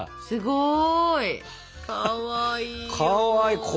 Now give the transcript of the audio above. すごい！かわいい！